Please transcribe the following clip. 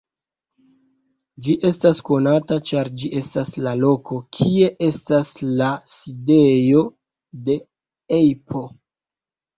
Ĝi estas konata, ĉar ĝi estas la loko, kie estas la sidejo de Apple.